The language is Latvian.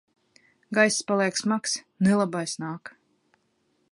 Gaiss paliek smags. Nelabais nāk!